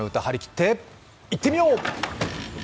張り切っていってみよう！